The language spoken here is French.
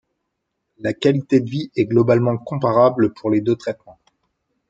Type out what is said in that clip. La qualité de vie est globalement comparable pour les deux traitements.